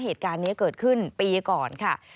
เหตุการณ์นี้เกิดขึ้นปีก่อนค่ะ